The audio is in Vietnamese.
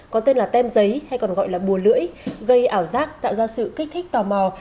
có tên là tem giấy hay còn gọi là bùa lưỡi gây ảo giác tạo ra sự kích thích tò mò